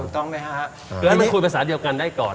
ต้องไหมฮะคือให้มันคุยภาษาเดียวกันได้ก่อน